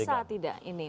bisa tidak ini